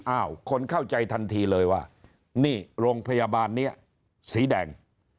คนเข้าใจทันทีเลยว่านี่โรงพยาบาลนี้สีแดง